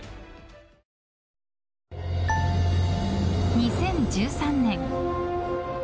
２１２０１３年。